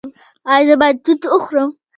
ایا زه باید توت وخورم؟